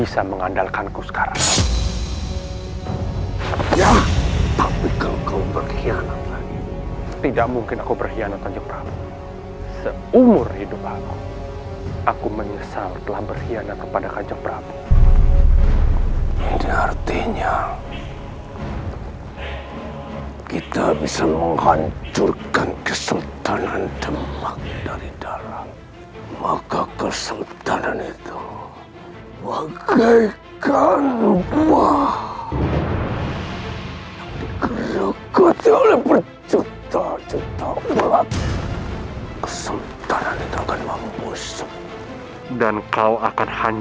jangan lupa untuk berhenti mencari kesalahan